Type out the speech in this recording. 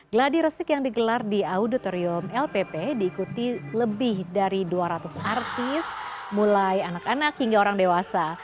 gladi resik yang digelar di auditorium lpp diikuti lebih dari dua ratus artis mulai anak anak hingga orang dewasa